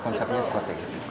konsepnya seperti itu